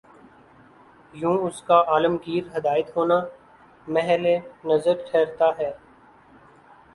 یوں اس کا عالمگیر ہدایت ہونا محل نظر ٹھہرتا ہے۔